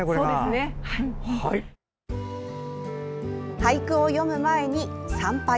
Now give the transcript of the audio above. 俳句を詠む前に、参拝。